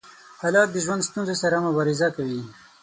هلک د ژوند ستونزو سره مبارزه کوي.